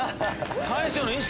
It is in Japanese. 大昇の意識